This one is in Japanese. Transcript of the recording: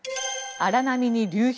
荒波に流氷。